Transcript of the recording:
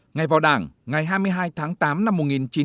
ngày vào đảng ngày hai mươi hai tháng tám năm một nghìn chín trăm tám mươi một